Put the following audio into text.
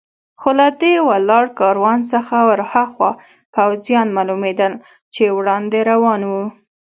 خو له دې ولاړ کاروان څخه ور هاخوا پوځیان معلومېدل چې وړاندې روان و.